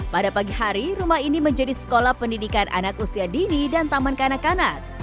pada pagi hari rumah ini menjadi sekolah pendidikan anak usia dini dan taman kanak kanak